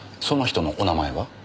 その人のお名前は？